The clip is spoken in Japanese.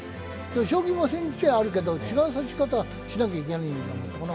将棋も千日手あるけど違う指し方をしないといけないんじゃなかったかな。